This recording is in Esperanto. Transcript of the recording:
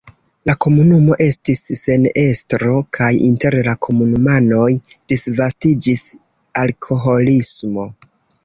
La komunumo estis sen estro kaj inter la komunumanoj disvastiĝis alkoholismo.